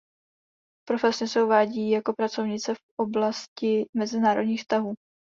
Profesně se uvádí jako pracovnice v oblasti mezinárodních vztahů.